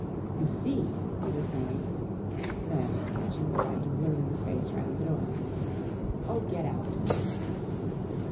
"You see " he was saying, then, catching sight of William's face round the door, "Oh, get out!"